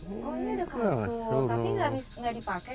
oh ini ada kasur tapi nggak dipakai karena